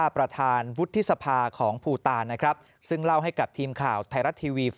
เพราะฉะนั้นเหมือนกับพวกบุฏินีส์